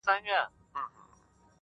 انساني وجدان پوښتنه راپورته کوي تل,